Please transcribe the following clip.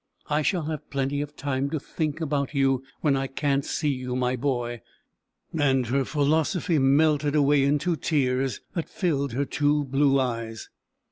I shall have plenty of time to think about you when I can't see you, my boy." And her philosophy melted away into tears, that filled her two blue eyes.